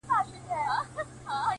پيکه ښکارم نړۍ ته ستا و ساه ته درېږم”